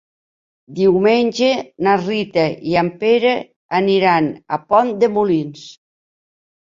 Diumenge na Rita i en Pere aniran a Pont de Molins.